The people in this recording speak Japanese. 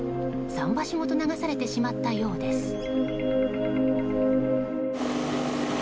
桟橋ごと流されてしまったようです。